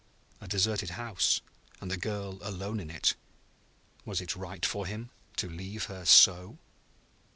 A deserted house; and the girl alone in it! was it right for him to leave her so?